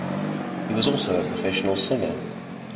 He was also a professional singer.